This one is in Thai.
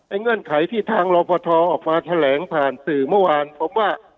เงื่อนไขที่ทางรอปทออกมาแถลงผ่านสื่อเมื่อวานผมว่า